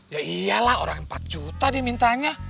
ya iyalah orang empat juta dimintanya